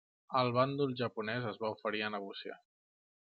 El bàndol japonès es va oferir a negociar.